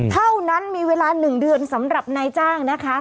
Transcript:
เท่านั้นมีเวลา๑เดือนสำหรับนายจ้างนะคะ